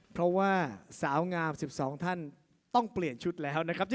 เพราะว่าสาวงาม๑๒ท่านต้องเปลี่ยนชุดแล้วนะครับ